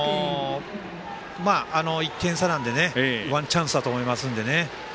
１点差なのでワンチャンスだと思いますので。